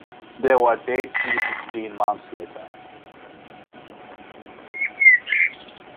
They were dead c. sixteen months later.